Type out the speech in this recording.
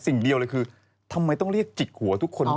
สิ่งเดียวเลยคือทำไมต้องเรียกจิกหัวทุกคนด้วย